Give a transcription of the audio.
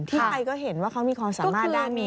ใครก็เห็นว่าเขามีความสามารถด้านนี้